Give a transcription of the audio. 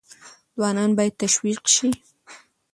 ځوانان باید تشویق شي.